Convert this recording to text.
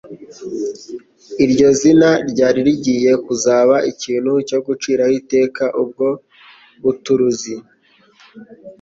Iryo zina ryari rigiye kuzaba ikintu cyo guciraho iteka ubwo buturuzi;